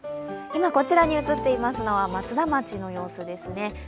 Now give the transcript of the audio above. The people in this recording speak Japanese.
今、こちらに映っているのは松田町の様子です。